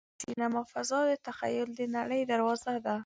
د سینما فضا د تخیل د نړۍ دروازه ده.